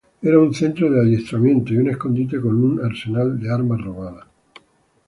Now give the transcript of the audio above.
Era un centro de adiestramiento y un escondite, con un arsenal de armas robadas.